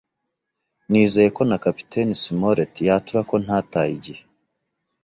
nizeye ko na Kapiteni Smollett yatura ko ntataye igihe.